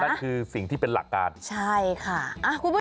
นั่นคือสิ่งที่เป็นหลักการใช่ค่ะคุณผู้ชม